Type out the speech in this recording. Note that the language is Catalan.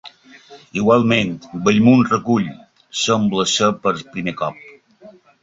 Igualment, Bellmunt recull, sembla ser per primer cop.